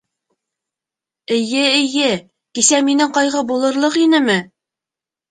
Эйе, эйе, кисә минең ҡайғы булырлыҡ инеме?